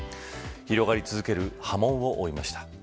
広がり続ける波紋を追いました。